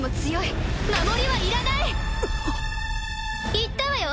言ったわよ！？